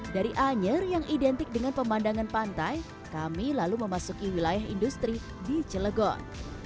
dari anyer yang identik dengan pemandangan pantai kami lalu memasuki wilayah industri di cilegon